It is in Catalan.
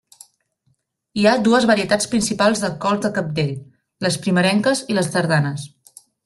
Hi ha dues varietats principals de cols de cabdell: les primerenques i les tardanes.